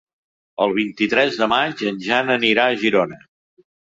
El vint-i-tres de maig en Jan anirà a Girona.